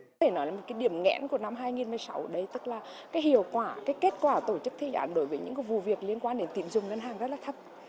có thể nói là một cái điểm nghẽn của năm hai nghìn một mươi sáu đấy tức là cái hiệu quả cái kết quả tổ chức thi giám đối với những vụ việc liên quan đến tín dụng ngân hàng rất là thấp